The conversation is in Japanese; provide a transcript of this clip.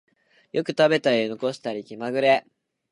よく食べたり残したり気まぐれ